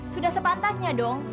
sudah sepantahnya dong